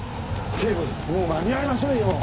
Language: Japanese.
警部もう間に合いませんよ。